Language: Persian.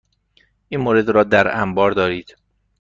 این مورد را در انبار دارید؟